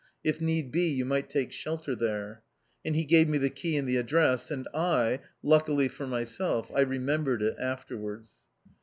If need be, you might take shelter there!" And he gave me the key and the address, and I, luckily for myself, I remembered it afterwards.